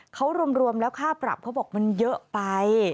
เขารวมแล้วค่าปรับเขาบอกมันเยอะไป